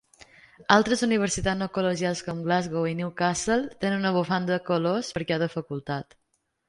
Altres universitats no col·legials com Glasgow i Newcastle tenen una bufanda colors per a cada facultat.